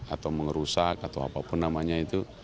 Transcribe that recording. atau mengerusak atau apa pun namanya itu